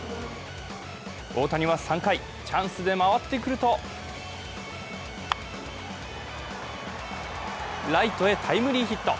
大谷は３回、チャンスで回ってくるとライトへタイムリーヒット。